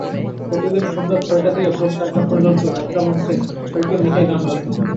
প্রতিদিন সন্ধ্যা ছয়টা থেকে ভোর চারটা পর্যন্ত যাত্রামঞ্চে ছয়টি মাইকে গান বাজে।